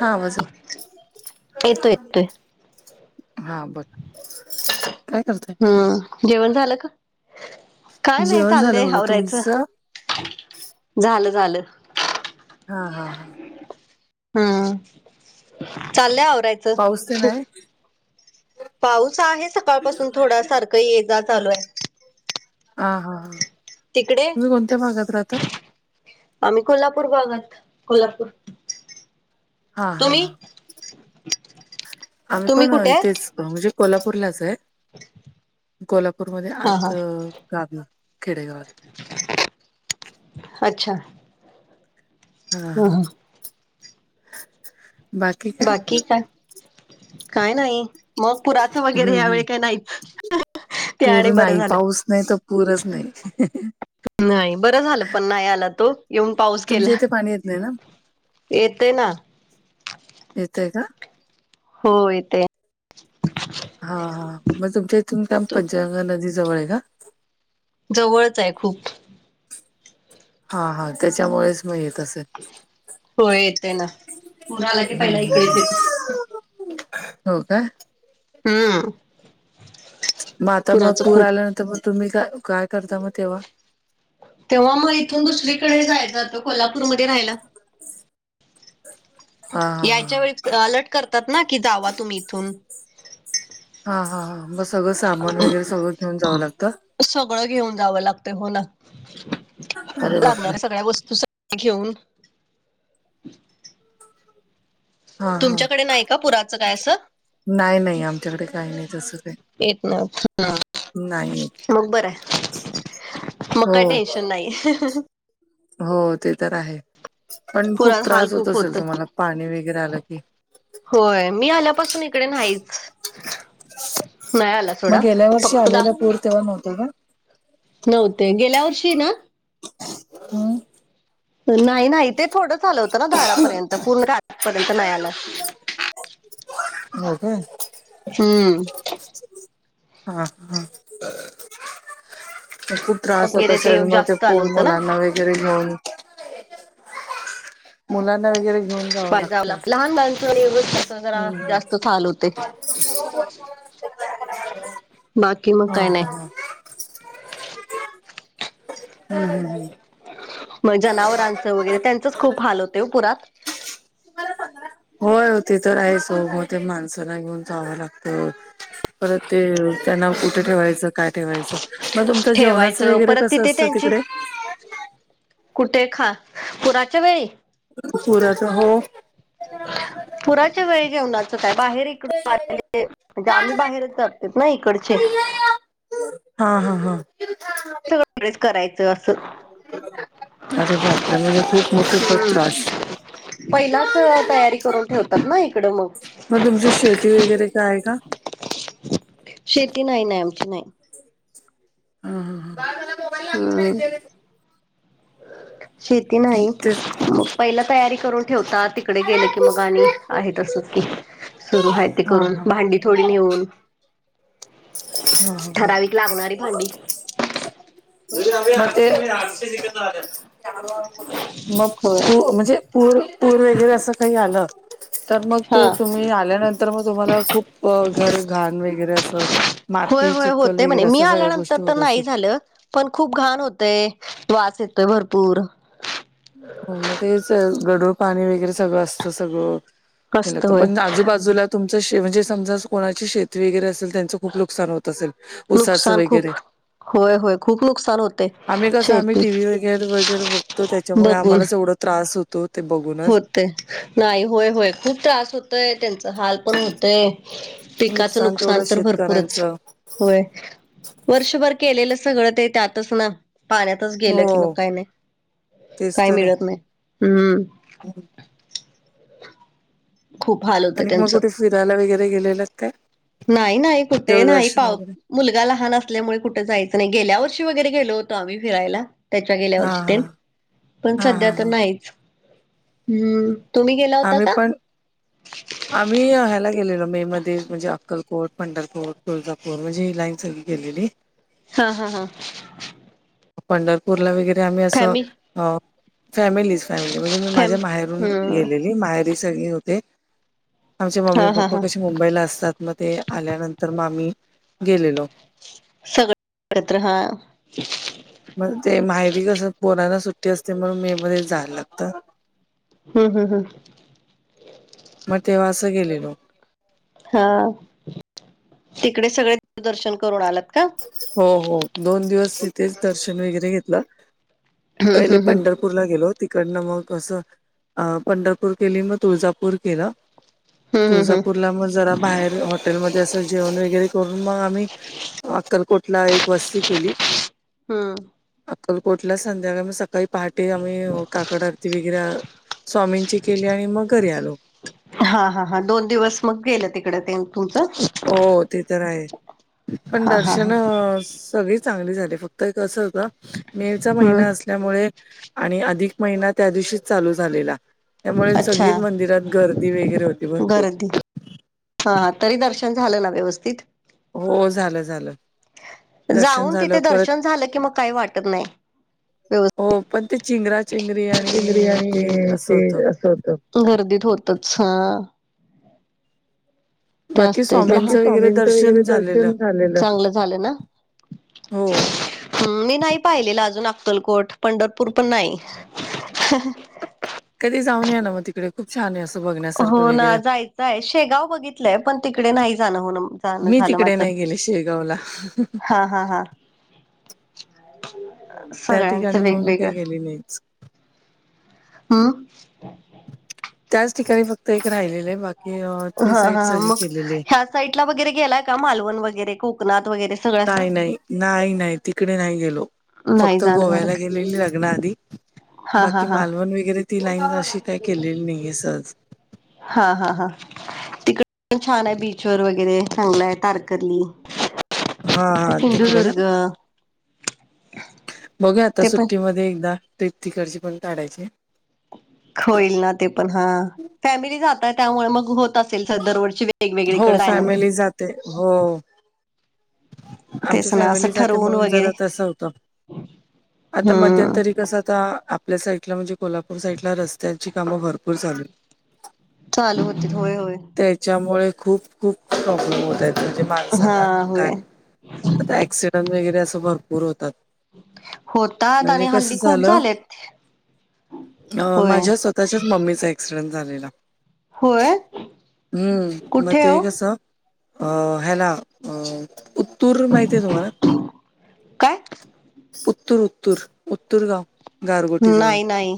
हा माझा [inaudible] येतोय. येतोय हा बर, काय करताय? हम जेवण झालं का? काय नाही जेवण झालं चाललंय बघा आवरायचं. तुमचं? झालं झालं. हा हा हा. हम् चालल्या आवराय पाऊस तेन हाय? पाऊस आहे सकाळपासून थोडा सारखं ये जा चालू आहे. हा हा हा तिकडे तुम्ही कोणत्या भागात राहता? आम्ही कोल्हापूर भागत कोल्हापूर. हा हा तुम्ही? हा. आम्ही तुम्ही पण कुठे आहे इथेच म्हणजे कोल्हापूरलाच आहे कोल्हापूरमध्ये हा हा आत गावी खेडेगावात. अच्छा. हा ह हा. ह बाकी काय? काय नाही. मग पुराचं वगैरे हम्म यावेेळी हम्म काही नाहीच ते पूर आणि बरं नाही झालं. पाऊस नाही त पूरच नाही. नाही बरं झालं पण नाही आला तो येऊन पाऊस तुमच्या गेला. इथे पाणी येत नाही ना? येते ना. येतय का? हो येतय. हा हा मग तुमच्या इथून काम तू पंचगंगा नदी जवळ आहे का? जवळच आहे खूप. हा हा त्याच्यामुळेच मग येत असेल. होय येतय ना पूर आला की हम्म पहिला हम्म इकडेच हम्म. येते. हो का? हम्म. मग आता मग पुराचं पूर खूप आल्यानंतर मग तुम्ही का काय करता मग तेव्हा? तेव्हा मग इथून दुसरीकडे जायला जातो कोल्हापूरमध्ये राहायला. हा हा यायच्या वेळी अलर्ट करतात ना कि जावा तुम्ही इथून. हा हां हां मग सगळं सामान वगैरे सगळं घेऊन जावं लागतं? सगळं घेऊन जावं लागतं हो ना अरे बापरे लागणाऱ्या सगळ्या वस्तू घेऊन हा हा तुमच्याकडे नाही का पुराचं काय असं? नाही नाही आमच्याकडे काही नाही तसं काय. [unintelligible] मग बरं हाय मग हो काय टेन्शन नाही. हो ते तर आहे, पण खूप पुरात हाल त्रास होत खूप असेल होतं. तुम्हाला पाणी वगैरे आलं की? होय मी आल्यापासून इकडे नाहीच. नाही आला मग सोडा गेल्या वर्षी फक्त दा आलेला पूर तेव्हा नव्हता का नव्हते गेल्या वर्षी ना हम नाही नाही ते थोडंच आलं होतं ना दारापर्यंत पूर्ण आपर्यंत नाही आला. हो काय. हम्म [unintelligible] हा हा. [unintelligible] खूप त्रास होत वगैरे असेल मग ते जास्त आलं फोन होतं ना मुलांना व [unintelligible] घेऊन, मुलांना वगैरे घेऊन जावं लागतंय [unintelligible] लहान [unintelligible] [unintelligible] जरा हम्म जास्तच हाल होतय. बाकी मग काय नाही. हम् हम् हम. मग जनावरांच वगैरे त्यांचच खूप हाल होतय ओ पुरात. होय ते तर आहेच [unintelligible] ते माणसाला घेऊन जावं लागतं. परत ते त्यांना कुठे ठेवायचं. काय ठेवायचं मग तुमचं जेवणाचं ठेवायचं वगैरे परत कसं तिथे असतं त्यांची तिकडे. कुठे खा, पुराच्या वेळी. पुर [unintelligible] हो. पुराच्या वेळी जेवनाच काय बाहेरी [unintelligible] आम्ही बाहेरच जात्यात ना इकडचे. हा हा हा. [unintelligible] करायचं असं. अरे बापरे, म्हणजे खूप मोकेपत हम्म त्रास. पहिलाच तयारी करून ठेवतात ना इकडं मग. मग तुमची शेती वगैरे काय का? शेती नाही नाही आमची नाही. हा हा हम्म हा. शेती नाहीत, तेच मग पहिला तयारी करून ठेवता तिकडे गेलं की, मग आणि आहे तसच की, सुरू आहे. ते हा करून हा भांडी थोडी नेऊन. [unintelligible] ठराविक लागणारी भांडी. म ते, मग होय ओ म्हणजे? पूर पूर वगैरे असं काही आलं, तर मग हा ते तुम्ही आल्यानं तर मग तुम्हाला खूप घर घाण वगैरे असं होय माती होय चिखल होतय म्हणे वगैरे मी असं सगळ्या आल्यानंतर गोष्टी तर होत नाही असतील झालं. पण खूप घाण होतय वास येतोय भरपूर. हो मग तेच गडूळ पाणी वगैरे सगळं असतं सगळं. असत [unintelligible] होय पण आजूबाजूला तुमच [unintelligible] समजा कोणाची शेती वगैरे असेल त्यां च खूप नुकसान होत असेल, उसाचं नुकसान खूप वगैरे. होय होय खूप नुकसान होते आम्ही कस आम्ही शेती टीव्ही वगैरे वगैरे बघतो त्याच्या मुळे बघून आम्हालाच एवढ त्रास होतो ते बघूनच. ते नाही होय होय खूप त्रास होतय त्यांचा हाल पण होतय. पिकाचं तेवढं नुकसान तर भरपूरच, शेतकऱ्यांचं होय. वर्षभर केलेलं सगळ ते त्यातच ना पाण्यात च हो गेलं की मग काय नाही काय मिळत नाही, हम्. हम. खूप हाल होते आणि मग त्यांच कुठे फिरायला वगैरे गेलेलंत काय? नाही नाही कुठे नाही देवदर्शन पाव वगैरे मुलगा लहान असल्यामुळे कुठं जायचं नाही गेल्या वर्षी वगैरे गेलो होतो आम्ही फिरायला. त्याच्या गेल्या हा वर्षी हा तेन, पण हा सध्या हा तर हा नाहीच, हम्म. तुम्ही गेला होता का? मी हह्याला गेलेलो मे मध्ये म्हणजे अक्कलकोट, पंढरपुर, तुळजापूर म्हणजे ही लाईन सगळी. गेलेली हा हा हा! पंढरपूरला वगैरे आम्ही असं फॅमि अं फॅमिलीज. फॅमिली म्हणजे मी फॅम माझ्या माहेरून हम्म गेलेली, माहेरी सगळे होते. आमचे मम्मी हा हा पप्पा हा कसे मुंबईला असतात म ते आल्यानंतर म आम्ही गेलेलो. सगळं आडतरहा. मंग ते माहेरी कसं पोरांना सुट्टी असते, म्हणून मे मध्ये जायालं लागतं. हम् हम् हम्! म तेव्हा असं गेलेलो. हअअ् तिकडे सगळे दर्शन करून आलात का? हो हो! दोन दिवस तिथेच दर्शन वैगरे घेतलं. हम्म पहिले हम्म हम्म पंढरप पूरला गेलो, तिकडनं मग असं अं पंढरपूर केलीन म तुळजापूर केलं. हम्म हम्म हम्म तुळजापूरला म जरा बाहेर हॉटेलमध्ये असं जेवण वगैरे करून म आम्ही अक्कलकोटला एक वस्ती केली. हम! अक्कलकोटला संध्याकाळ म सकाळी पहाटे आम्हीअ काकड आरती वि गिरअ् स्वामींची केली आणि मग घरी आलो. हा हा ह दोन दिवस मग गेलं तिकड ते तुमचं हो ते तर आहे पण हा हा हा दर्शनअ सगळीच चांगली झाली फक्त एक असं ह का, मे चा हम्म महिना अस त्यामुळे आणि अधिक महिना त्या दिवशीच चालू झालेला, त्यामुळे सगळीच अच्छा मंदिरात गर्दी वैगरे होती भरपूर. हाहा, तरी दर्शन झालं ना व्यवस्थित? हो झालं झालं. दर्शन जाऊन झालं तिथे परत दर्शन झालं की मग काही वाटत नाही. व्यव्. हो पण ते चिंगरा चिंगरी आणि जतिंद्री ते आणिअअ असं होतं तेअ असं होतं. गर्दीत होतच हअ. ते बाकी असतयेच स्वामींचं लागलीच वगैरे स्वामींचं दर्शन वगैरे झालेलं दर्शन झालेल चांगलं झाल ना? हो. हम् मी नाही पाहिलेलं अजून अक्कलकोट पंढरपूर पण नाही. कधी जाऊन या ना म तिकडे खूप छान ए असं. बघण्यासारखं हो ना वगैरे जायचंय शेगाव बघितलंय पण तिकडे नाही जाणं होण मी तिकडे नाही गेले शेगावला. हा हा हा. त्या सगळ्यांचं ठिकाणी मग वेगवेगळं. [unintelligible] हम्म. त्याच ठिकाणी फक्त एक राहिलेलं ए बाकी अ ती साईट सगळी केलेलीए. साईट ला वगैरे गेलाय का? मालवण वगैरे, कोकणात वगैरे. सगळं असं? नाही नाही. नाही नाही. तिकडे नाही गेलो. नाही फक्त जाणं झालं गोव्याला का? गेलेली लग्नाआधी. हा हा बाकी हा मालवण वगैरे ती लाईन अशी काय केलेली नाही ए सहज. हा हा हा. तिकड पण छान आहे बीचवर वगैरे, [unintelligible] तारकर्ली. हा ते -हा तिकडे ना. सिंधुदुर्ग बघूया आता, ते पण सुट्टीमध्ये एकदा ट्रिप तिकडची पण, काढायची. होईल ना ते पण, हा फॅमिली जातय,, त्यामुळे मग होत असेल दरवर्षी हो, वेगवेगळीकडे जायनं फॅमिली जाते हो. आमची तेच ना असं फॅमिली जाते ठरवून म्हणून वगैरे जरा, तसं होतं. आता, हम्म मध्यंतरी कसं आ आपल्या साईडला म्हणजे, कोल्हापूर साईड ला रस्त्याची कामं, भरपूर चालू आहेत. चालू होतिथं, होय -होय. त्याच्यामुळे, खूप -खूप प्रॉब्लेम होत आहेत. म्हणजे माणसांना हा काय होय आता, ऍक्सिडेंट वगैरे असं भरपूर होतात. होतात आणि म्हणजे कस हल्ली खूप झालं, झालेत अ होय माझ्या स्वत त्याच्याच, मम्मीचा ऍक्सिडेंट झालेला. होय हम्म, म कुठे ते हो कसं. अ हेला, उ उत्तूर माहितीय आहेतुम्हाला, काय उतूर -उतूर, उत्तूरगाव, गारगोटी जवळ, नाही नाही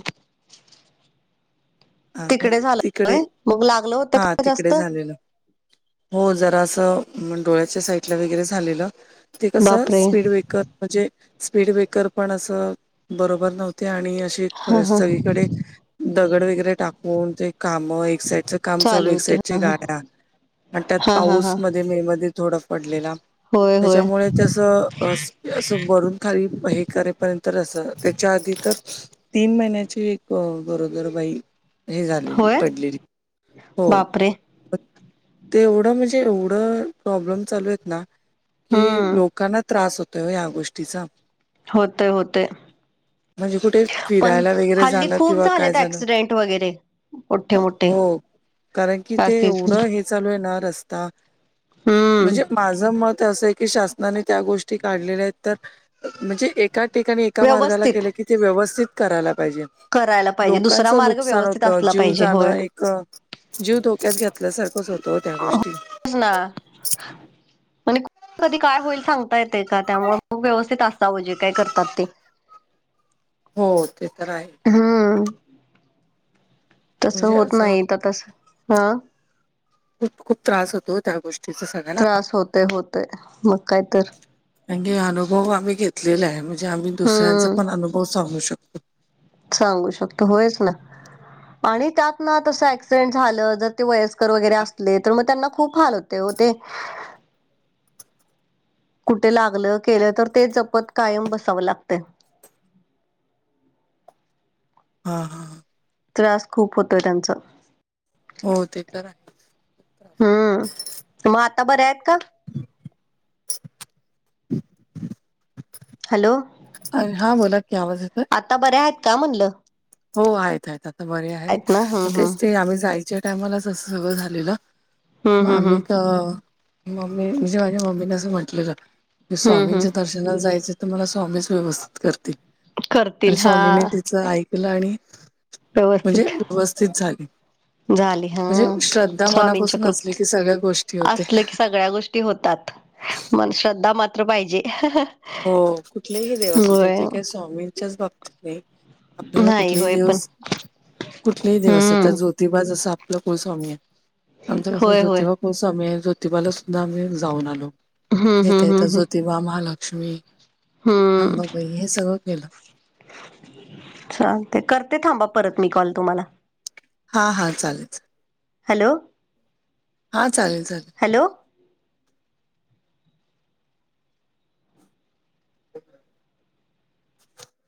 ह ना तिकडे तिकडे, झालंय मग लागलं होतं हा का तिकडे जास्त झालेल. हो, जरा असं डोळ्याच्या साईडला वगैरे, झालेलं ते कसं बापरे स्पीड बेकर म्हणजे, स्पीड ब्रेकर पण असं बरोबर नव्हतं. ते, आणि अशी हा हा सगळीकडे दगड वगैरे टाकून, ते काम एक साईटच काम चालू एक होती साईड, हा गाड्या आणि त्यात हा हा हा पाऊस हा मध्ये मे, मध्ये थोडा पडलेला. होय होय त्याच्यामुळे, त्यासं असं, भरून खाली हे करेपर्यंत, त्याच्या आधी तर तीन महिन्याची एक, गरोदर बाई हे, झालेली होय पडलेली, हो बापरे ते, एवढं म्हणजे एवढं प्रॉब्लेम चालू, आहेत ना, की हम्म लोकांना त्रास होतोय हो, या गोष्टीचा, होतय, होतय, म्हणजे कुठे पण फिरायला वगैरे हल्ली, जाणं खूप किंवा काय झालेत जाणं ऍक्सिडेंट वगैरे, मोठे, मोठे, हो. कारण कि ते, असेच एवढं हे चालू आहे न रस्ता, हम्म म्हणजे माझं मत अस आहे की, शासनाने त्या गोष्टी काढलेल्या आहेत तर, म्हणजे एका ठिकाणी एका मार्गाला व्यवस्थित केले की ते, व्यवस्थित करायला पाहिजे. करायला पाहिजे दुसरा लोकांचं मार्ग नुकसान व्यवस्थित होतं. असला जीव पाहिजे जाणं होय एक, जीव धोक्यात घेतल्यासारखंच होत. ओ त्या गोष्टी, सजना, आणि, कधी काय होईल सांगता येते का, त्यामुळे मग व्यवस्थित असावं जे काय करतात ते. हो, ते तर आहे. हा, तसं म्हणजे होत असं नाही, तर तस हं, खूप- खूप त्रास होतो, त्या गोष्टी ति सग, त्रास होतेय -होतेय मग काय तर, करणं कि, अनुभव आम्ही घेतलेला आहे. म्हणजे आम्ही दुसऱ्यांचा हम्म पण अनुभव सांगू शकतो. सांगू शकत होयच ना, आणि त्यात ना तस ऍक्सिडेंट झालं, जर ते व वयस्कर वगैरे असले तर, मग त्यांना खूप हाल होते ओ ते. कुठे लागलं केलं तर ते जपत कायम बसावं लागतंय. हा हा. त्रास खूप होतोय त्यांचा, - हो ते तर आहे. हम्म, मग आता बऱ्या आहेत का? हॅलो अ हा बोला की आवाज येतोय? आता बऱ्या आहेत का म्हणलं? हो आहेत आहेत आता बरे आहे आहेत ना हम्म तेच हम्म ते आम्ही जायचे टाईमालाच असं सगळं झालेलं हम्म मग हम्म आम्ही हम्म मम्मी म्हणजे माझ्या मम्मीने असं म्हटलं की हम्म हम्म स्वामींचें दर्शन ला जायचं तर मला स्वामीच मदत करतील स्वामींनी तीच ऐक ल आणि म्हणजे व्यवस्थित व्यवस्थित झाली. झाली हा म्हणजे श्रद्धा स्वामींच्या मनापासून असली कृपेत की सगळ्या गोष्टी होते. असलं की सगळ्या गोष्टी होतात मण श्रद्धा मात्र पाहिजे. हो कुठलेही देव असुदे होय तेे काय स्वामींच्याच बाबतीत नाही आपल्याला नाही कुठलेही होय पण देवस कुठलेही देव असूद्या हम्म जो जोतिबा जसं आपलं कुलस्वामी आहे, आमच कसं होय होय जोतिबा कुलस्वामी हाय ज्योतिबाला सुद्धा आम्ही जाऊन आलो हम्म येता हम्म हम्म यता हम्म जोतिबा, महा लक्ष्मी, अंबाबाई हे सगळं केलं. चालतय करते थांबा परत मी कॉल तुम्हाला, हां हां चालेल. हॅलो हा चालेल चालेल. हॅलो [unintelligible]